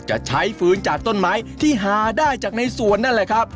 จะใช้ฟื้นจากต้นไม้ที่หาได้จากในสวนนั่นแหละครับ